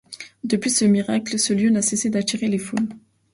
Depuis ce miracle, ce lieu n'a cessé d'attirer les foules.